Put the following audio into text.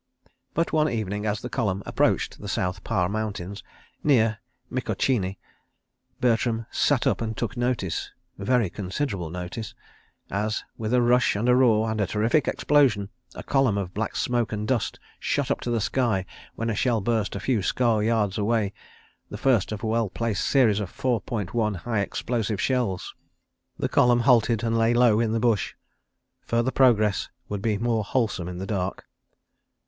But, one evening, as the column approached the South Pare Mountains, near Mikocheni, Bertram "sat up and took notice," very considerable notice, as with a rush and a roar and a terrific explosion, a column of black smoke and dust shot up to the sky when a shell burst a few score yards away—the first of a well placed series of four point one high explosive shells. The column halted and lay low in the bush. Further progress would be more wholesome in the dark.